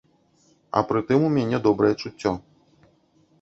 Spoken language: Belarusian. А пры тым у мяне добрае чуццё.